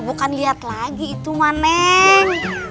ya bukan liat lagi itu mah neng